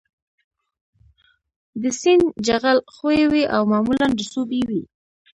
د سیند جغل ښوی وي او معمولاً رسوبي وي